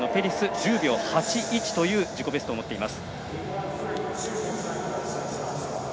１０秒８１という自己ベストを持っています。